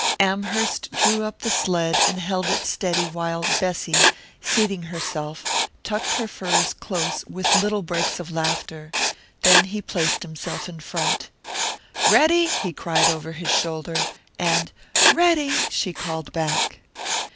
Amherst drew up the sled and held it steady while Bessy, seating herself, tucked her furs close with little breaks of laughter; then he placed himself in front. "Ready?" he cried over his shoulder, and "Ready!" she called back.